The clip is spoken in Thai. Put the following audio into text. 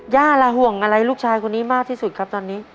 ละห่วงอะไรลูกชายคนนี้มากที่สุดครับตอนนี้